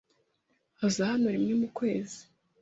Aza hano rimwe mu kwezi.